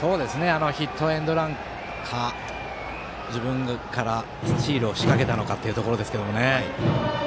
ヒットエンドランか自分からスチールを仕掛けたのかというところですね。